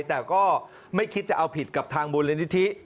แต่ก็ไม่คิดจะเอาผิดกับทางมูลนิธิ